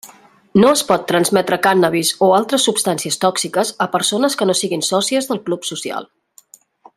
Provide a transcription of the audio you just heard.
No es pot transmetre cànnabis o altres substàncies tòxiques a persones que no siguin sòcies del Club social.